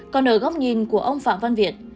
còn ở góc nhìn của ông phạm văn việt